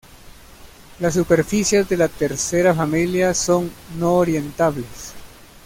Las superficies de la tercera familia son no-orientables.